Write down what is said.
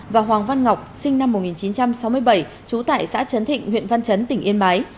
và hoàng văn ngọc sinh năm một nghìn chín trăm sáu mươi bảy trú tại xã trấn thịnh huyện văn chấn tỉnh yên bái